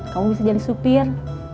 kamu bisa jadi supir